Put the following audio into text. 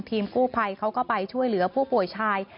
กู้ภัยเขาก็ไปช่วยเหลือผู้ป่วยชาย